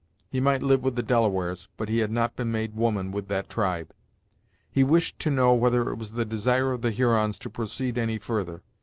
He might live with the Delawares, but he had not been made woman with that tribe. He wished to know whether it was the desire of the Hurons to proceed any further.